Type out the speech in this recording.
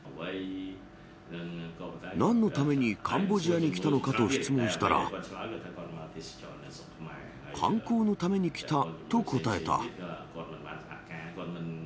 なんのためにカンボジアに来たのかと質問したら、観光のために来たと答えた。